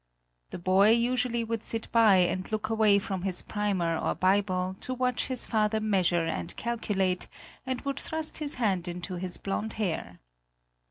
The boy usually would sit by and look away from his primer or Bible to watch his father measure and calculate, and would thrust his hand into his blond hair.